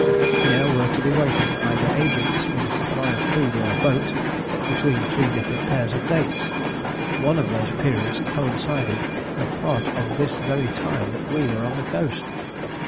Here were to be waiting either agents with a supply of food or a boat, between three different pairs of dates: one of those periods coincided with part of this very time that we were on the coast.